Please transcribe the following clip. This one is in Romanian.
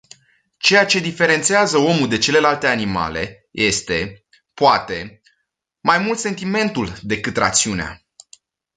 Ceea ce diferențiază omul de celelalte animale este, poate, mai mult sentimentul decât rațiunea.